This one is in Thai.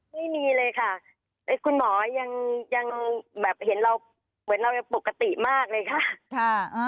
ไม่มีเลยค่ะคุณหมอยังแบบเห็นเราเหมือนเรายังปกติมากเลยค่ะ